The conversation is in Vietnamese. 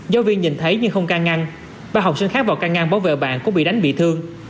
giáo viên nhìn thấy nhưng không can ngăn ba học sinh khác vào can ngăn bảo vệ bạn cũng bị đánh bị thương